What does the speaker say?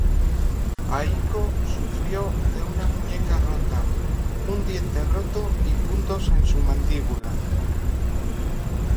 Aiko sufrió de una muñeca rota, un diente roto y puntos en su mandíbula.